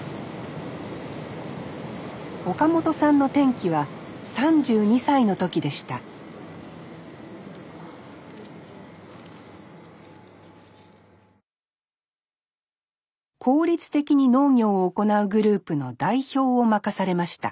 岡本さんの転機は３２歳の時でした効率的に農業を行うグループの代表を任されました。